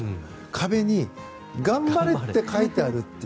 壁に頑張れって書いてあるって。